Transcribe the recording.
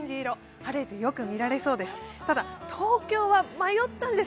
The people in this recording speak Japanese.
晴れてよく見られそうです。